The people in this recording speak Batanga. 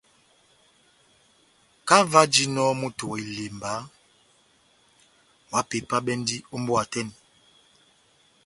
Kahá ová ojinɔ moto wa ilemba, ohápepabɛndi ó mbówa tɛ́h eni.